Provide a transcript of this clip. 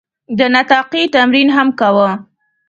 د نطاقي تمرین هم کاوه.